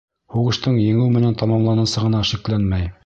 Һуғыштың еңеү менән тамамланасағына шикләнмәй.